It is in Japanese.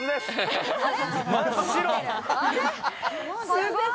すごい！